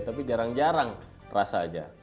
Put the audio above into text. tapi jarang jarang rasa aja